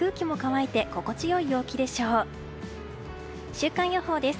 週間予報です。